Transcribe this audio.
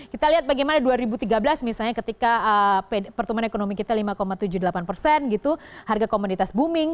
kita lihat bagaimana dua ribu tiga belas misalnya ketika pertumbuhan ekonomi kita lima tujuh puluh delapan persen gitu harga komoditas booming